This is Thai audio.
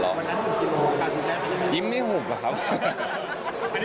วันนั้นคุณอินหรือว่าการเกิดแรงไม่ได้